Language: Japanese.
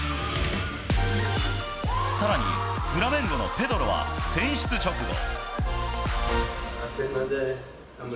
さらに、フラメンゴのペドロは、選出直後。